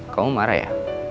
kamu marah ya